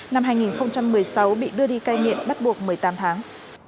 năm hai nghìn một mươi sáu bị đưa đi cai nghiện bắt buộc một mươi tám tháng